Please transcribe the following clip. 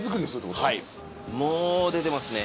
もう出てますね